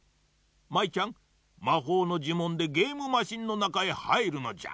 舞ちゃんまほうのじゅもんでゲームマシンのなかへはいるのじゃ。